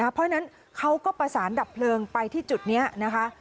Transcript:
เพราะฉะนั้นเขาก็ประสานดับเพลิงไปที่จุดนี้นะคะ